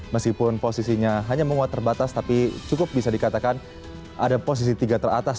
meskipun posisinya hanya menguat terbatas tapi cukup bisa dikatakan ada posisi tiga teratas